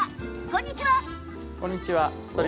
こんにちは！